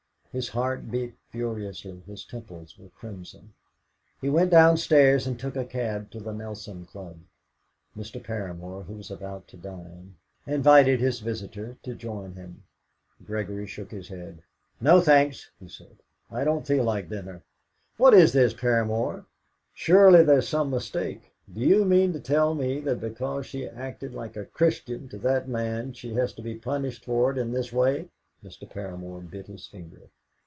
His heart beat furiously, his temples were crimson. He went downstairs, and took a cab to the Nelson Club. Mr. Paramor, who was about to dine, invited his visitor to join him. Gregory shook his head. "No, thanks," he said; "I don't feel like dining. What is this, Paramor? Surely there's some mistake? Do you mean to tell me that because she acted like a Christian to that man she is to be punished for it in this way?" Mr. Paramor bit his finger.